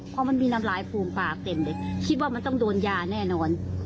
เพราะมันมีน้ำลายฟูมปากเต็มเลยคิดว่ามันต้องโดนยาแน่นอน